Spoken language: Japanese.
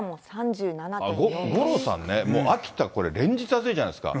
五郎さんね、もう秋田、連日暑いじゃないですか。